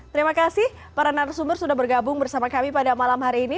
terima kasih para narasumber sudah bergabung bersama kami pada malam hari ini